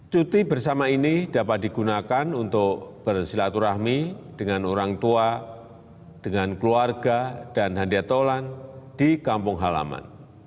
cuti bersama ini dapat digunakan untuk bersilaturahmi dengan orang tua dengan keluarga dan handiatolan di kampung halaman